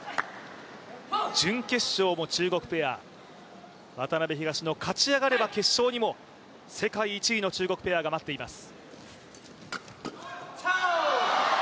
準決勝も中国ペア、渡辺・東野勝ち上がれば、決勝にも世界１位の中国ペアが待っています。